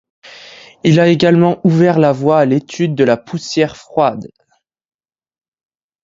Il a également ouvert la voie à l'étude de la poussière froide.